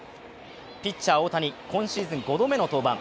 ピッチャー大谷、今シーズン５度目の登板。